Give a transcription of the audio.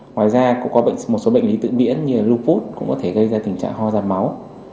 ngoài ra cũng có một số bệnh lý tự nhiễn như lupus cũng có thể gây ra tình trạng ho ra máu